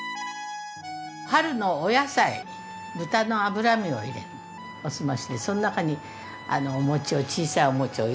春のお野菜に豚の脂身を入れるお澄ましでその中に小さいお餅を入れたり。